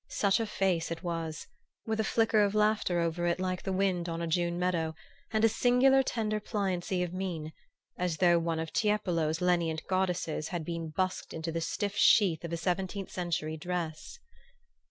Such a face it was, with a flicker of laughter over it like the wind on a June meadow, and a singular tender pliancy of mien, as though one of Tiepolo's lenient goddesses had been busked into the stiff sheath of a seventeenth century dress!